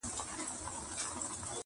بېاخلاقي ټولنیز نظم زیانمنوي.